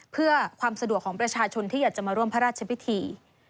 เพื่อความสะดวกของประชาชนที่อยากจะมาร่วมพระราชพิธี